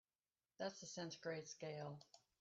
That's the centigrade scale.